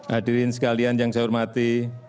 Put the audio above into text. hadirin sekalian yang saya hormati